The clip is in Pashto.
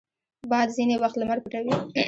باد ځینې وخت لمر پټوي